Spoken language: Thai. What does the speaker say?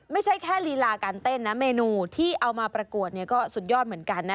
ไม่ใช่แค่ลีลาการเต้นนะเมนูที่เอามาประกวดเนี่ยก็สุดยอดเหมือนกันนะ